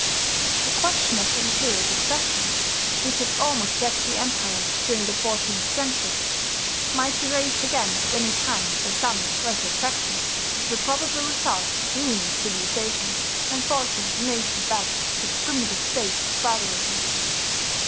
The question of the imperial succession, which had almost wrecked the empire during the fourteenth century, might be raised again at any time by some reckless faction, with the probable result of ruining civilization, and forcing the nation back to its primitive state of barbarism.